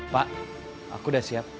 pak aku udah siap